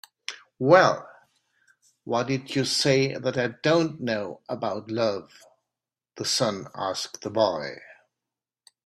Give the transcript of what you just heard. "Well, why did you say that I don't know about love?" the sun asked the boy.